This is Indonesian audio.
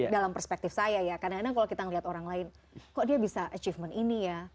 dalam perspektif saya ya kadang kadang kalau kita melihat orang lain kok dia bisa achievement ini ya